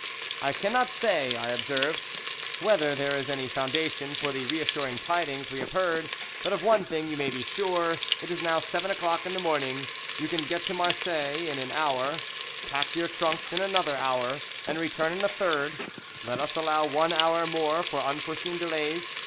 "'I cannot say,' I observed, 'whether there is any foundation for the reassuring tidings we have heard, but of one thing you may be sure: it is now seven o'clock in the morning, you can get to Marseilles in an hour, pack your trunks in another hour, and return in a third; let us allow one hour more for unforeseen delays.